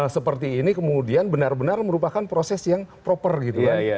seperti ini kemudian benar benar merupakan proses yang proper gitu kan